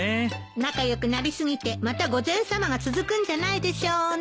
仲良くなり過ぎてまた午前さまが続くんじゃないでしょうね？